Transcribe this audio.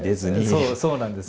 そうそうなんです。